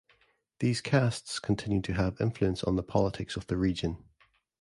These castes continue to have influence on the politics of the region.